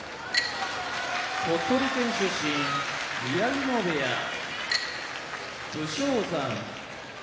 鳥取県出身宮城野部屋武将山